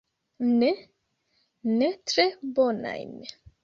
Ne, ne tre bonajn.